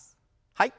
はい。